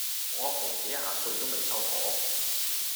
我阿婆幾廿歲都未收火